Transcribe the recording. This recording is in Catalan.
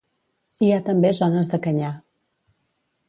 Hi ha també zones de canyar.